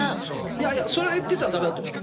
いやいや、それ言ってたらだめだと思う。